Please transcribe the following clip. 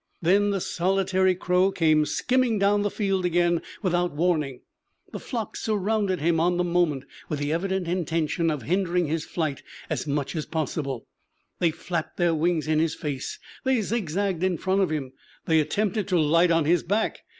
Then the solitary crow came skimming down the field again without warning. The flock surrounded him on the moment, with the evident intention of hindering his flight as much as possible. They flapped their wings in his face; they zig zagged in front of him; they attempted to light on his back.